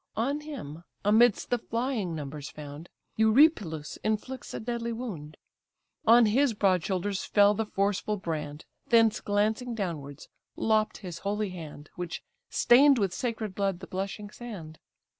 On him, amidst the flying numbers found, Eurypylus inflicts a deadly wound; On his broad shoulders fell the forceful brand, Thence glancing downwards, lopp'd his holy hand, Which stain'd with sacred blood the blushing sand.